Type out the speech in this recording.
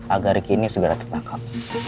agar kini segera tertangkap